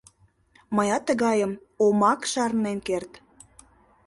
— Мыят тыгайым омак шарнен керт...